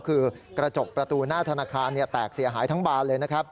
คือกระจกประตูหน้าธนาคารแตกเสียหายทั้งบานเลยนะครับ